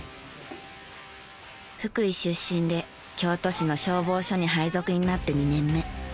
福井出身で京都市の消防署に配属になって２年目。